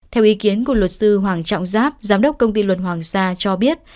theo ý kiến của luật sư hoàng trọng giáp giám đốc công ty luật hoàng sa cho biết